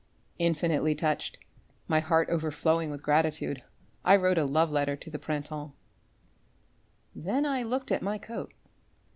Infinitely touched, my heart overflowing with gratitude, I wrote a love letter to the Printemps. Then I looked at my coat.